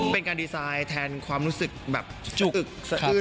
เป็นการดีไซน์แทนความรู้สึกแบบจุกอึกสะอื้น